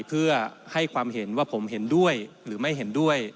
เพื่อให้ความเห็นว่าผมเห็นด้วยหรือไม่เห็นด้วย